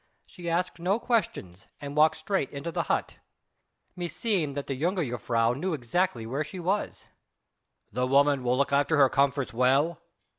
She asked no questions, and walked straight into the hut. Meseemed that the jongejuffrouw knew exactly where she was." "The woman will look after her comforts well?"